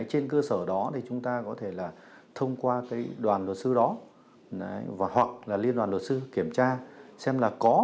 trên cơ sở đó thì chúng ta có thể thông qua đoàn luật sư đó hoặc liên đoàn luật sư kiểm tra xem là có